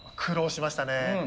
苦労しましたね。